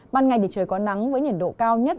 ban ngày thì trời có nắng với nhiệt độ cao nhất